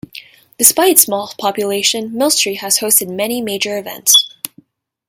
Despite its small population, Millstreet has hosted many major events.